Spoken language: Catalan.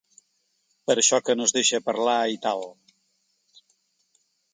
Per això que no es deixa parlar i tal.